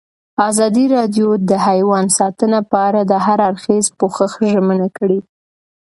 ازادي راډیو د حیوان ساتنه په اړه د هر اړخیز پوښښ ژمنه کړې.